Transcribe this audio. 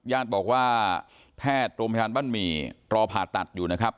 ญาติบอกว่าแพทย์โรงพยาบาลบ้านหมี่รอผ่าตัดอยู่นะครับ